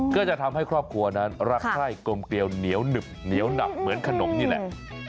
ก็จะทำให้ครอบครัวนั้นรักใคร่กลมเกลียวเหนียวหนึบเหนียวหนักเหมือนขนมนี่แหละ